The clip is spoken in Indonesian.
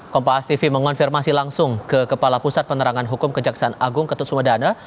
kompas tv mengonfirmasi langsung ke kepala pusat penerangan hukum kejaksaan agung ketut sumedana